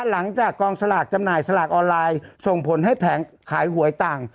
หลังจากกองสลากจำหน่ายสลากออนไลน์ส่งผลให้แผงขายหวยต่าง